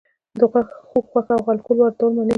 د خوګ غوښه او الکول واردول منع دي؟